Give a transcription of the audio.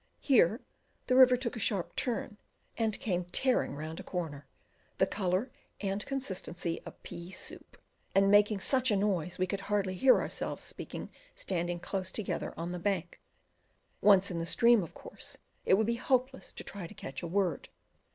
Here the river took a sharp turn, and came tearing round a corner, the colour and consistency of pea soup, and making such a noise we could hardly hear ourselves speak standing close together on the bank; once in the stream, of course it would be hopeless to try to catch a word.